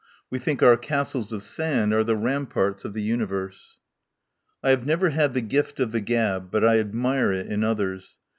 We think our castles of sand are the ramparts of the universe." I have never had the gift of the gab, but I admire it in others.